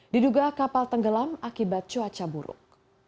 diduga kapal tenggelam akibat cuaca buruk